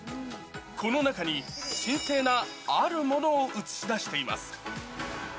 この中に、神聖なあるものを映し出しています。